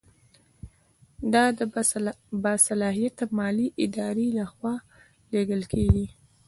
دا د باصلاحیته مالي ادارې له خوا لیږل کیږي.